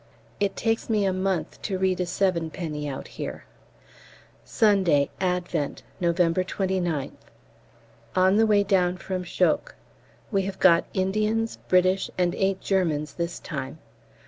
It takes me a month to read a Sevenpenny out here. Sunday (Advent), November 29th. On the way down from Chocques. We have got Indians, British, and eight Germans this time.